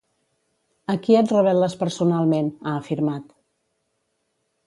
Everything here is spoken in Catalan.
"Aquí et rebel·les personalment", ha afirmat.